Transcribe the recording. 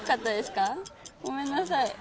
ごめんなさい。